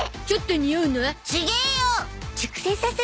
ちょっとにおうの？